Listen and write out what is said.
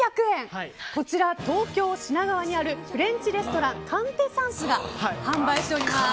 こちら、東京・品川にあるフレンチレストランＱｕｉｎｔｅｓｓｅｎｃｅが販売しております。